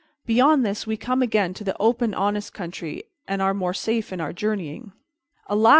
Beyond this we come again to the open honest country, and so are more safe in our journeying." "Alas!"